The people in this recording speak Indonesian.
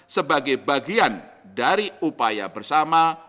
sebagai bagian dari upaya bersama